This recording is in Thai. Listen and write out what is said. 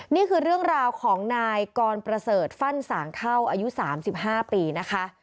นี่คือเรื่องราวของนายกรประเสริฐฟั่นสางเท่าอายุ๓๕ปีนะคะ